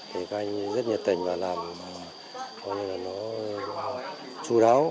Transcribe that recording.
thì các anh rất nhiệt tình và làm coi như là nó chú đáo